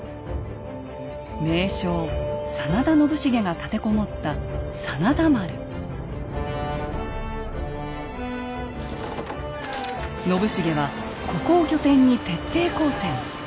名将・真田信繁が立て籠もった信繁はここを拠点に徹底抗戦。